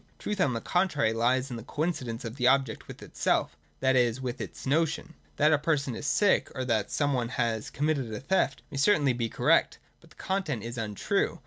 Truth, on the contrary, lies in the coincidence of the object with itself, that is, with its notion. That a person is sick, or that some one has com mitted a theft, may certainly be correct. But the content is untrue.